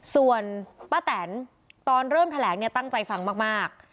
ส่วนป้าแตนตอนเริ่มแถลงเนี่ยตั้งใจฟังมาก